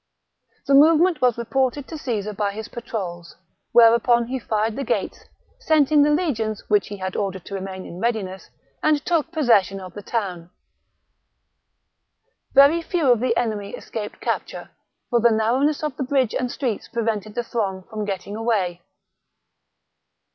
The movement was reported to Caesar by his patrols, whereupon he fired the gates, sent in the legions which he had ordered to remain in readiness, and took possession of the town. Very few of the enemy escaped capture ; for the narrowness of the bridge and streets prevented the throng from getting away.